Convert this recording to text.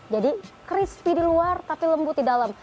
crispy di luar tapi lembut di dalam